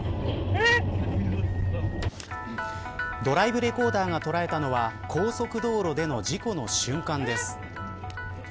ドライブレコーダーが捉えたのは高速道路での事故の瞬間です。